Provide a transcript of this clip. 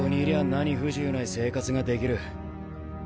何不自由ない生活ができる。